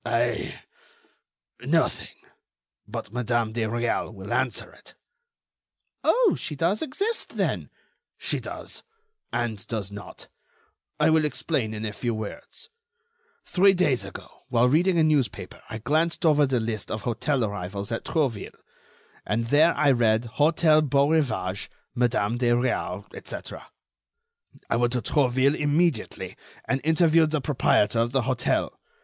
"I—nothing—but Madame de Réal will answer it." "Oh! she does exist, then?" "She does—and does not. I will explain in a few words. Three days ago, while reading a newspaper, I glanced over the list of hotel arrivals at Trouville, and there I read: 'Hôtel Beaurivage—Madame de Réal, etc.' "I went to Trouville immediately, and interviewed the proprietor of the hotel.